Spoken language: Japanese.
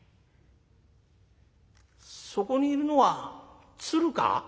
そこにいるのは鶴か？